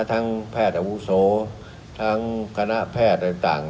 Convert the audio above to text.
แพทย์อาวุโสทั้งคณะแพทย์ต่าง